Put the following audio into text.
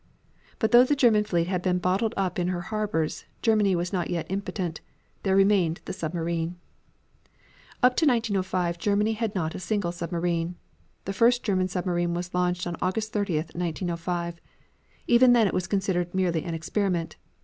But though the German fleet had been bottled up in her harbors, Germany was not yet impotent. There remained the submarine. Up to 1905 Germany had not a single submarine. The first German submarine was launched on August 30, 1905. Even then it was considered merely an experiment.